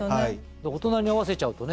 大人に合わせちゃうとね。